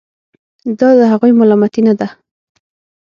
دا د هغوی ملامتي نه ده.